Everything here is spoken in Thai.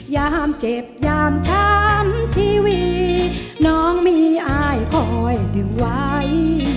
ยามเจ็บยามช้ำชีวิตน้องมีอายคอยดึงไว้